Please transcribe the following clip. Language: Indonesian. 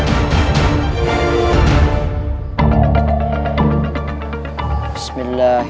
dan berikan kekuatan yang menyenangkan